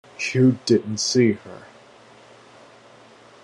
You didn't see her.